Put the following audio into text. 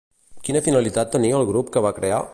Quina finalitat tenia el grup que va crear?